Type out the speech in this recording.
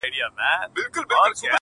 • ه ياره د څراغ د مــړه كولو پــه نـيت.